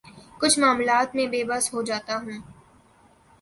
کچھ معاملات میں بے بس ہو جاتا ہوں